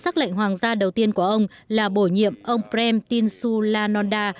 sắc lệnh hoàng gia đầu tiên của ông là bổ nhiệm ông prem tinsu lanonda